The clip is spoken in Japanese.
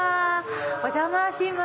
お邪魔します。